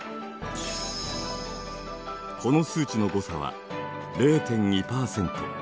この数値の誤差は０．２％。